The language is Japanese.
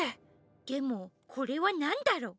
でもこれはなんだろ！？